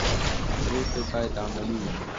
پرېکړې باید عملي وي